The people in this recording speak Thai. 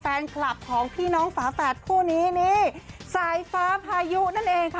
แฟนคลับของพี่น้องฝาแฝดคู่นี้นี่สายฟ้าพายุนั่นเองค่ะ